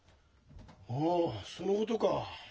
ああそのことか。